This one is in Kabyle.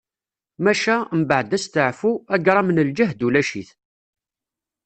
Maca, mbaɛd asteɛfu, agṛam n lǧehd ulac-it.